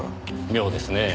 妙ですねぇ。